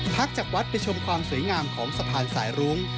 จากวัดไปชมความสวยงามของสะพานสายรุ้ง